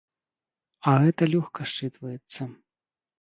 А гэта лёгка счытваецца.